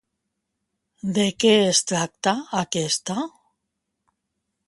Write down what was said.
De què es tracta aquesta?